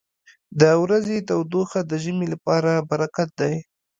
• د ورځې تودوخه د ژمي لپاره برکت دی.